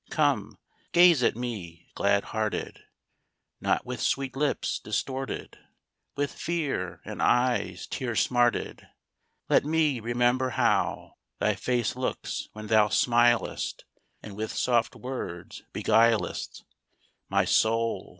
Come, gaze at me glad hearted! Not with sweet lips distorted With fear; and eyes tear smarted! Let me remember how Thy face looks when thou smilest And with soft words beguilest My soul.